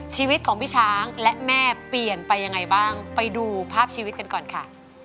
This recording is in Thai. ชีวิตของพี่ช้างและแม่เปลี่ยนไปยังไงบ้างไปดูภาพชีวิตกันก่อนค่ะ